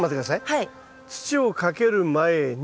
土をかける前に。